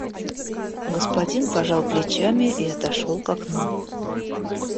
Господин пожал плечами и отошёл к окну.